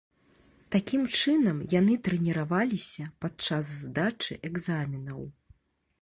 Такім чынам яны трэніраваліся падчас здачы экзаменаў.